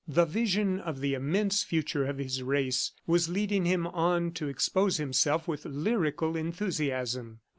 The vision of the immense future of his race was leading him on to expose himself with lyrical enthusiasm.